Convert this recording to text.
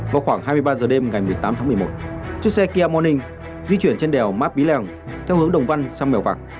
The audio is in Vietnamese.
vào khoảng hai mươi ba h đêm ngày một mươi tám tháng một mươi một chiếc xe kia morning di chuyển trên đèo mã pí lèng theo hướng đồng văn sang mèo vạc